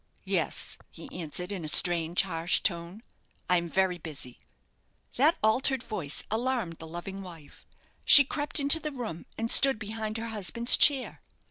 "Yes," he answered, in a strange, harsh tone, "I am very busy." That altered voice alarmed the loving wife. She crept into the room, and stood behind her husband's chair.